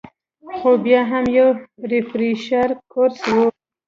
خو بيا هم يو ريفرېشر کورس وۀ -